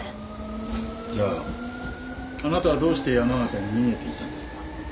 じゃああなたはどうして山形に逃げていたんですか？